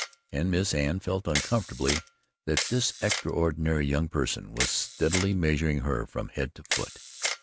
And Miss Anne felt uncomfortably that this extraordinary young person was steadily measuring her from head to foot.